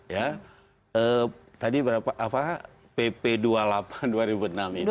ya tadi berapa pp dua puluh delapan dua ribu enam itu